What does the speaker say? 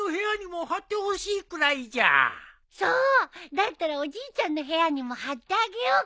だったらおじいちゃんの部屋にも貼ってあげようか？